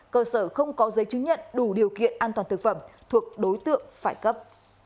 cơ sở không có giấy chứng nhận đủ điều kiện an toàn thực phẩm thuộc đối tượng phải cấp